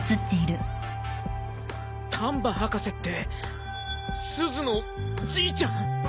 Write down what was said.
丹波博士ってすずのじいちゃん？